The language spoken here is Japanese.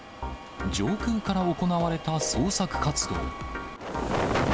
上空から行われた捜索活動。